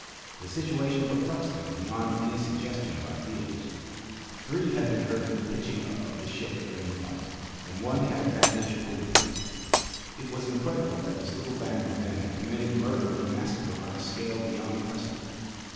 The situation perplexed them beyond any suggestion of ideas. Three had been hurt in the pitching up of the ship during the fight, and one had a bandaged bullet wound. It was incredible that this little band of men had committed murder and massacre on a scale beyond precedent.